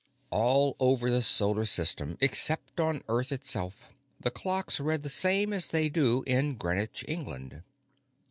All over the Solar System, except on Earth itself, the clocks read the same as they do in Greenwich, England.